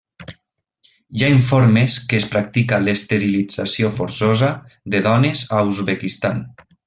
Hi ha informes que es practica l'esterilització forçosa de dones a Uzbekistan.